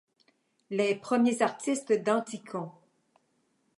Les premiers artistes d'anticon.